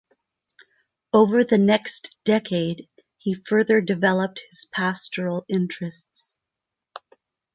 Over the next decade he further developed his pastoral interests.